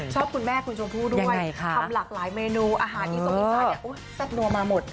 คุณแม่คุณชมพู่ด้วยทำหลากหลายเมนูอาหารอีสานเนี่ยแซ่บนัวมาหมด